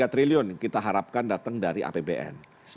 sembilan puluh tiga triliun kita harapkan datang dari apbn